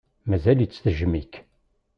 Mazal-itt tejjem-ik.